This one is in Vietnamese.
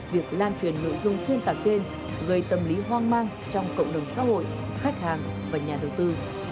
việc lan truyền nội dung xuyên tạc trên gây tâm lý hoang mang trong cộng đồng xã hội khách hàng và nhà đầu tư